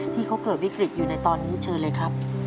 ที่เขาเกิดวิกฤตอยู่ในตอนนี้เชิญเลยครับ